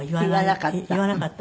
言わなかった。